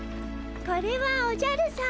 これはおじゃるさま。